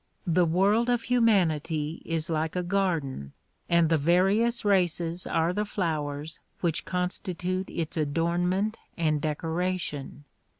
The world of hu manity is like a garden and the various races are the flowers which constitute its adornment and decoration.